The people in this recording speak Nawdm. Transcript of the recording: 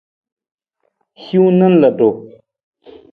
Hiwung na lutu.